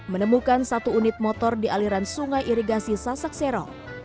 menemukan satu unit motor di aliran sungai irigasi sasak sero